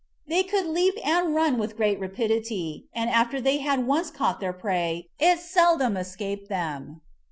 They could leap and run with great rapidity and after they had once caught their prey, it seldom escaped them.